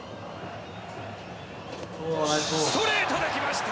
ストレートできました。